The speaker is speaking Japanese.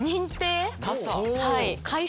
はい。